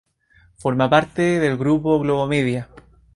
Forma parte del Grupo Globomedia.